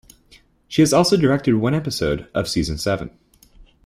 She also directed one episode of season seven.